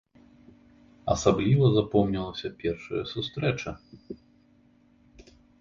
Асабліва запомнілася першая сустрэча.